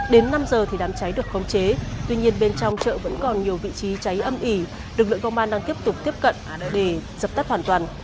đến năm giờ thì đám cháy được khống chế tuy nhiên bên trong chợ vẫn còn nhiều vị trí cháy âm ỉ lực lượng công an đang tiếp tục tiếp cận đề dập tắt hoàn toàn